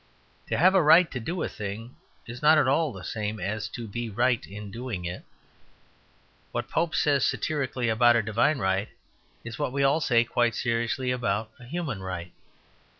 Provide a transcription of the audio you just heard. To have a right to do a thing is not at all the same as to be right in doing it. What Pope says satirically about a divine right is what we all say quite seriously about a human right.